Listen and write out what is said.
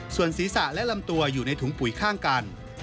ส่วนศีรษะและลำตัวอยู่ในถุงปุ๋ยข้างกัน